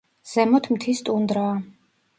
ზემოთ მთის ტუნდრაა.